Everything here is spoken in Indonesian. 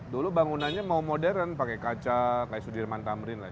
dulu bangunannya mau modern pakai kaca kayak sudirman tamrin lah